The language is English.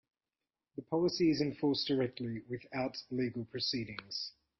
The policy is enforced directly, without legal proceedings.